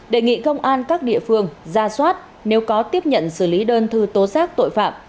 đề nghị công an các địa phương ra soát nếu có tiếp nhận xử lý đơn thư tố xác tội phạm